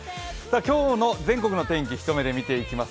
今日の全国の天気、一目で見ていきます。